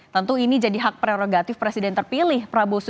tentu ini jadi hak prerogatif presiden terpilih prabowo